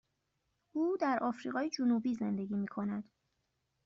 او در آفریقای جنوبی زندگی می کند.